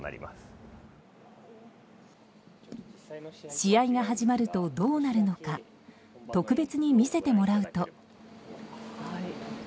試合が始まるとどうなるのか特別に見せてもらうと。